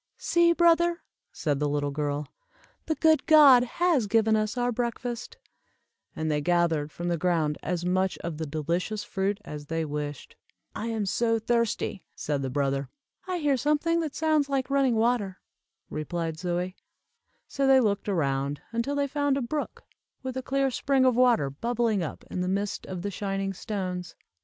"See, brother," said the little girl, "the good God has given us our breakfast;" and they gathered from the ground as much of the delicious fruit as they wished. "I am so thirsty," said the brother. "I hear something that sounds like running water," replied Zoie. So they looked around, until they found a brook, with a clear spring of water bubbling up in the midst of the shining stones.